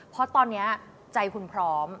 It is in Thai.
เพราะตอนนี้ใจคุณพร้อม